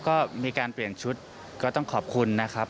ก็มีการเปลี่ยนชุดก็ต้องขอบคุณนะครับ